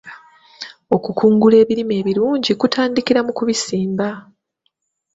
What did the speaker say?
Okukungula ebirime ebirungi kutandikira mu kubisimba.